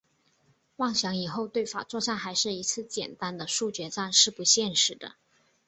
妄想以后对法作战还是一次简单的速决战是不现实的。